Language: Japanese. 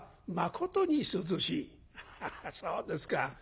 「ハハハそうですか。